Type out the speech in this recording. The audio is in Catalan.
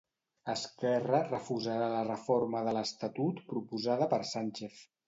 Esquerra refusarà la reforma de l'Estatut proposada per Sánchez.